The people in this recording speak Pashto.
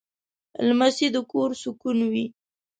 لمسی د کور سکون وي.